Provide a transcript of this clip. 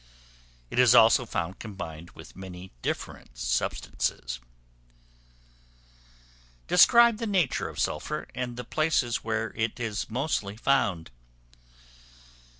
It is also found combined with many different substances. Describe the nature of Sulphur, and the places where it is mostly found.